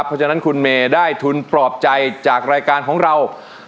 เพราะฉะนั้นคุณเมย์ได้ทุนปลอบใจจากรายการของเรา